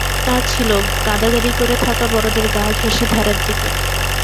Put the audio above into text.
তা ছিল, গাদাগাদি করে থাকা বড়দের গা ঘেঁষে ধারের দিকে।